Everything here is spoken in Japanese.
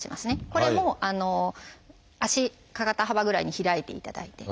これも足肩幅ぐらいに開いていただいて。